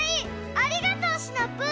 ありがとうシナプー！